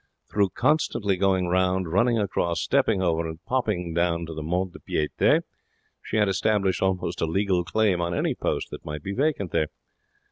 Through constantly going round, running across, stepping over, and popping down to the mont de piete she had established almost a legal claim on any post that might be vacant there.